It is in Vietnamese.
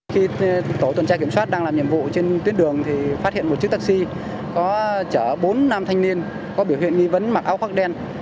khi tổ tuần tra kiểm soát đang làm nhiệm vụ trên tuyến đường thì phát hiện một chiếc taxi có chở bốn nam thanh niên có biểu hiện nghi vấn mặc áo khoác đen